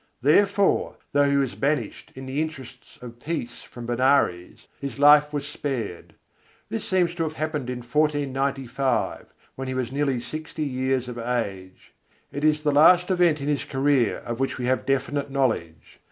Therefore, though he was banished in the interests of peace from Benares, his life was spared. This seems to have happened in 1495, when he was nearly sixty years of age; it is the last event in his career of which we have definite knowledge.